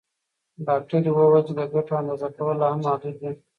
ډاکټره وویل چې د ګټو اندازه کول لا هم محدود دي.